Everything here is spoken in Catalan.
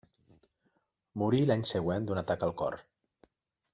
Morí l’any següent d’un atac al cor.